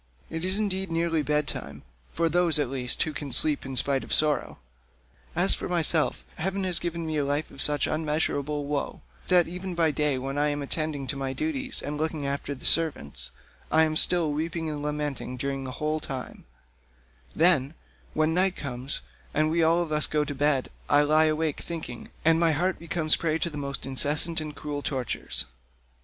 It is indeed nearly bed time—for those, at least, who can sleep in spite of sorrow. As for myself, heaven has given me a life of such unmeasurable woe, that even by day when I am attending to my duties and looking after the servants, I am still weeping and lamenting during the whole time; then, when night comes, and we all of us go to bed, I lie awake thinking, and my heart becomes a prey to the most incessant and cruel tortures.